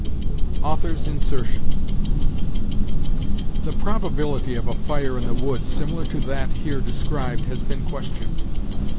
The probability of a fire in the woods similar to that here described has been questioned.